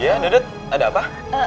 iya dodot ada apa